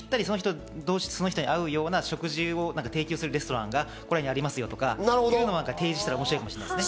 その人に合うような食事を提供するレストランがここにありますよとかそういうのを提示したら面白いかもしれませんね。